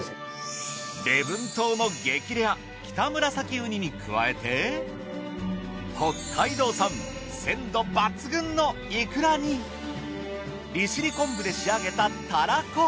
礼文島の激レアキタムラサキウニに加えて北海道産鮮度抜群のいくらに利尻昆布で仕上げたたらこ！